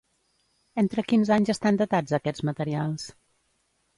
Entre quins anys estan datats aquests materials?